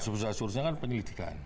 satu satunya kan penyelidikan